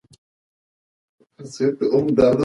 ورور مې زما خبرو ته ارزښت ورنه کړ او خپله پرېکړه یې عملي کړه.